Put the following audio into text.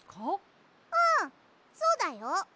うんそうだよ！